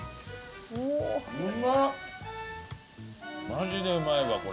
マジでうまいわこれ。